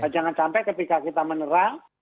jangan sampai ketika kita menerang